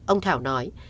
ông thảo nói